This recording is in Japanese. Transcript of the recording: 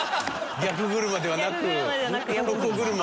逆車ではなく横車。